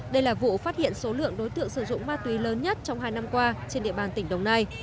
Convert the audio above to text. đây là vụ phát hiện số lượng đối tượng sử dụng ma túy lớn nhất trong hai năm qua trên địa bàn tỉnh đồng nai